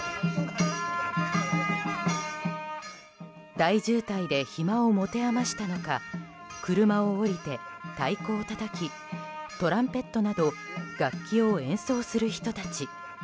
大渋滞で暇を持て余したのか車を降りて、太鼓をたたきトランペットなど楽器を演奏する人たち。